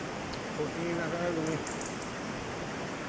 お気になさらずに。